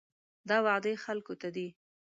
دا وعدې خلکو ته دي.